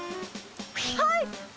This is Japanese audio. はい！